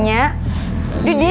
nggak usah khawatirnya